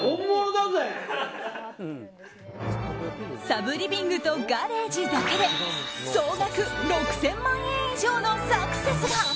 サブリビングとガレージだけで総額６０００万円以上のサクセスが。